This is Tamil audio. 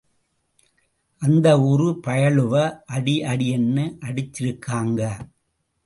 அந்த ஊரு பயலுவ அடி அடின்னு அடிச்சிருக்காங்க.